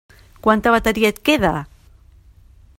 Quanta bateria et queda?